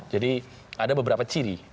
jadi ada beberapa ciri